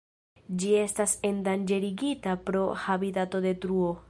Ĝi estas endanĝerigita pro habitatodetruo.